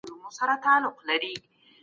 پوهه د يوې خوشحاله او ممتازې ټولني بنسټ دی.